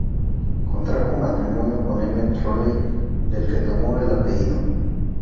Contrajo matrimonio con M. Trolley del que tomó el apellido.